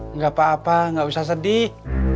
enggak apa apa enggak usah sedih